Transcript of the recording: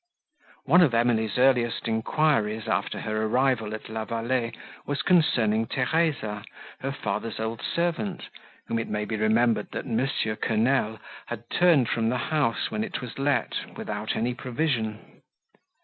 One of Emily's earliest enquiries, after her arrival at La Vallée, was concerning Theresa, her father's old servant, whom it may be remembered that M. Quesnel had turned from the house when it was let, without any provision.